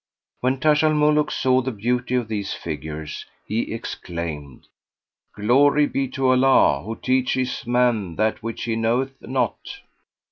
When Taj al Muluk saw the beauty of these figures, he exclaimed, "Glory be to Allah who teacheth man that which he knoweth not!"